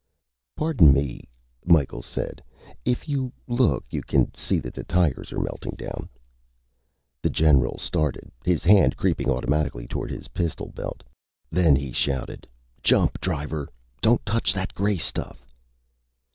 "Pardon me," Micheals said. "If you look, you can see that the tires are melting down." The general stared, his hand creeping automatically toward his pistol belt. Then he shouted, "Jump, driver! Don't touch that gray stuff."